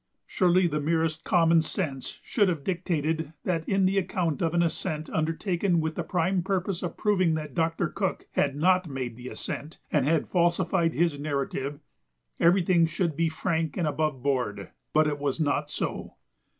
Surely the merest common sense should have dictated that in the account of an ascent undertaken with the prime purpose of proving that Doctor Cook had not made the ascent, and had falsified his narrative, everything should be frank and aboveboard; but it was not so.